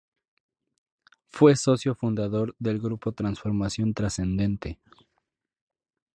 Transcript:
Fue socio fundador del grupo Transformación Trascendente.